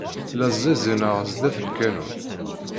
La ẓẓiẓineɣ sdat lkanun.